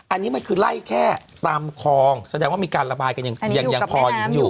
อันนี้มันคือไล่แค่ตามคลองแสดงว่ามีการระบายกันยังพอหญิงอยู่